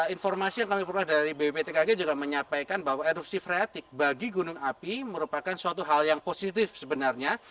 informasi yang kami perlukan dari bpptkg juga menyampaikan bahwa erupsi freatik bagi gunung api merupakan suatu hal yang positif sebenarnya